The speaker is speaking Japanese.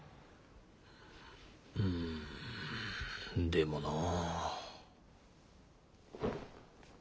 うんでもなあ。